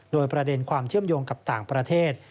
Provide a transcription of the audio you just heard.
โดยประเด็นความเชื่อมโยงกับต่างประเทศ